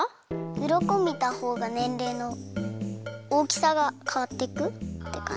うろこみたほうが年齢のおおきさがかわってくってかんじ？